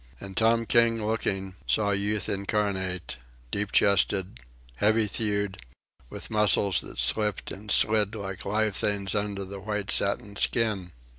And Tom King, looking, saw Youth incarnate, deep chested, heavy thewed, with muscles that slipped and slid like live things under the white satin skin.